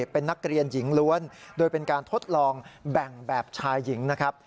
เป็นนักเรียนหญิงล้วนโดยเป็นการทดลองแบ่งแบบชายหญิงนะครับ